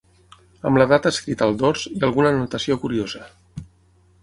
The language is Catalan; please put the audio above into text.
Amb la data escrita al dors, i alguna anotació curiosa.